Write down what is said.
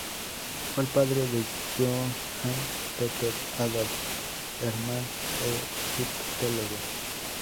Fue el padre de Johann Peter Adolf Erman, egiptólogo.